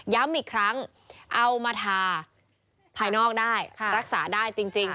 ย้ำอีกครั้งเอามาทาภายนอกได้รักษาได้จริง